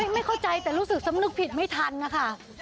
ไม่เข้าใจแต่รู้สึกสำนึกผิดไม่ทันนะคะ